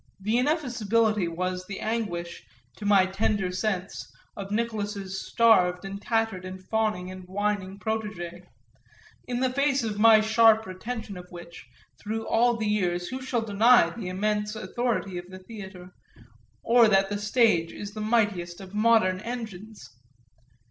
The ineffaceability was the anguish, to my tender sense, of Nicholas's starved and tattered and fawning and whining protégé; in face of my sharp retention of which through all the years who shall deny the immense authority of the theatre, or that the stage is the mightiest of modern engines?